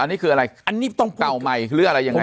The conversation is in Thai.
อันนี้คืออะไรเก่าใหม่หรืออะไรยังไง